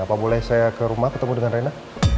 apa boleh saya ke rumah ketemu dengan rena